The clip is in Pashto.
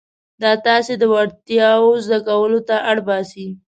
دا تاسې د وړتیاوو زده کولو ته اړ باسي.